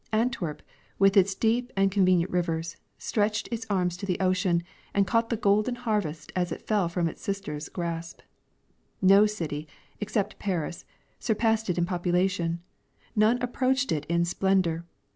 Antwerp, with its deep and con venient rivers, stretched its arms to the ocean and caught the golden harvest as it fell from its sisters' grasp. No city, except Paris, surpassed it in population, none approached it in splendor.